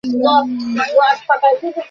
কিন্তু উভয়েই দ্রুত আউট হন।